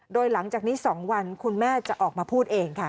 โดยหลังจากนี้๒วันคุณแม่จะออกมาพูดเองค่ะ